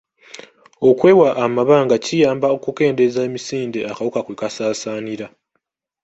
Okwewa amabanga kiyamba okukendeeza emisinde akawuka kwe kasaasaanira.